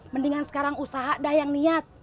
mendingan sekarang usaha dah yang niat